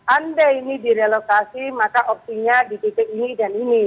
andai ini direlokasi maka opsinya di titik ini dan ini